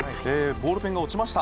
ボールペンが落ちました。